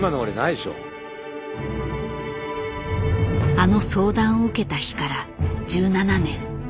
あの相談を受けた日から１７年。